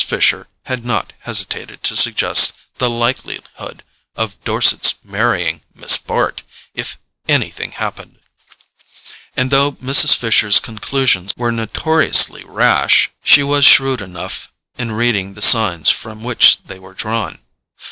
Fisher had not hesitated to suggest the likelihood of Dorset's marrying Miss Bart if "anything happened"; and though Mrs. Fisher's conclusions were notoriously rash, she was shrewd enough in reading the signs from which they were drawn.